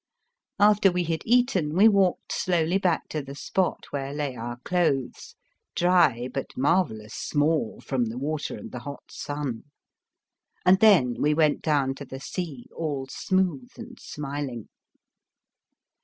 After we had eaten we walked slowly back to the spot where lay our clothes, dry but marvellous small from the water and the hot sun. And then we went down to the sea all smooth and smiling.